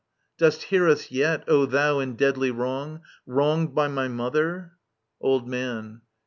Dost hear us yet, O thou in deadly wrong. Wronged by my mother ? Old Man.